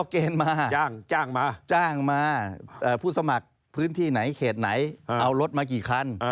เกณฑ์มาจ้างมาจ้างมาผู้สมัครพื้นที่ไหนเขตไหนเอารถมากี่คัน